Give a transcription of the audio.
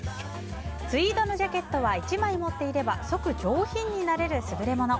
ツイードのジャケットは１枚持っていれば即上品になれる優れもの。